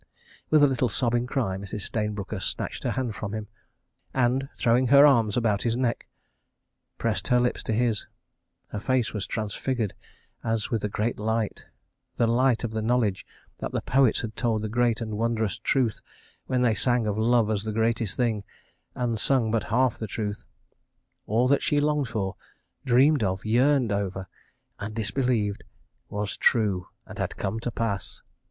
With a little sobbing cry, Mrs. Stayne Brooker snatched her hand from him, and, throwing her arms about his neck, pressed her lips to his—her face was transfigured as with a great light—the light of the knowledge that the poets had told the great and wondrous truth when they sang of Love as the Greatest Thing—and sung but half the truth. All that she longed for, dreamed of, yearned over—and disbelieved—was true and had come to pass.